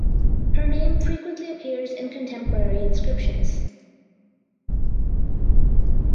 Her name frequently appears in contemporary inscriptions.